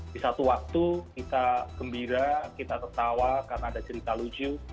di satu waktu kita gembira kita tertawa karena ada cerita lucu